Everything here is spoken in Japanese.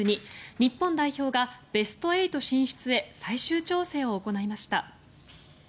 日本代表がベスト８進出へ最終調整を行いました。